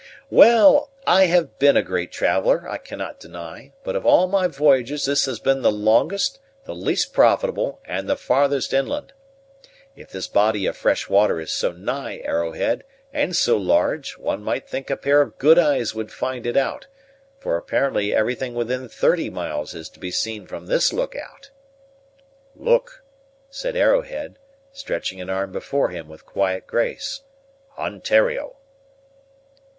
"Well, I have been a great traveller, I cannot deny; but of all my v'y'ges this has been the longest, the least profitable, and the farthest inland. If this body of fresh water is so nigh, Arrowhead, and so large, one might think a pair of good eyes would find it out; for apparently everything within thirty miles is to be seen from this lookout." "Look," said Arrowhead, stretching an arm before him with quiet grace; "Ontario!"